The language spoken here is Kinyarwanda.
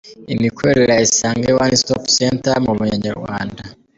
Imikorere ya Isange One Stop Center mu Banyarwanda.